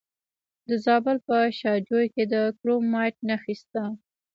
د زابل په شاجوی کې د کرومایټ نښې شته.